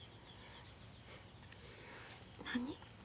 何？